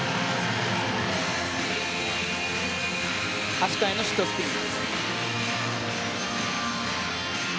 足換えのシットスピン。